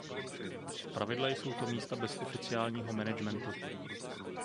Zpravidla jsou to místa bez oficiálního managementu.